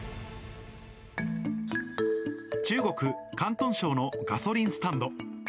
中国・広東省のガソリンスタンド。